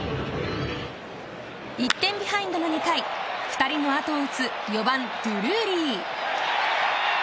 １点ビハインドの２回２人の後を打つ４番ドゥルーリー。